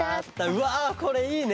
うわこれいいね。